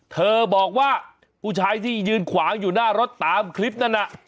เธอบอกว่าผู้ชายที่ยืนขวางอยู่หน้ารถตามคลิปนั้นน่ะ